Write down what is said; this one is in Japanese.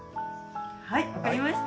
はい分かりました。